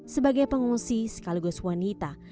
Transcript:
sebagai pengungsi sekaligus wanita